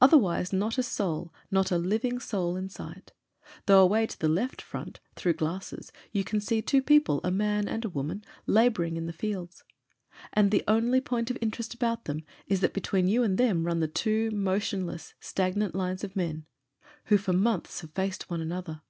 Otherwise, not a soul, not s^ living soul in sight ; though away to the left front, through glasses, you can see two people, a man and a woman, labouring in the fields. And the only point of interest about them is that between you and them run the two motionless, stagnant lines of men wh6 for months have XIV PROLOGUE faced one another.